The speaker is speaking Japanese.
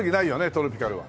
トロピカルは。